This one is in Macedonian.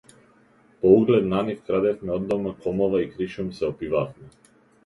По углед на нив крадевме од дома комова и кришум се опивавме.